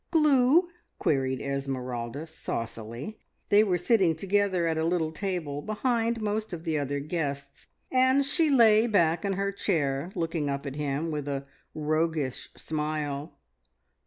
"Glue?" queried Esmeralda saucily. They were sitting together at a little table behind most of the other guests, and she lay back in her chair looking up at him with a roguish smile.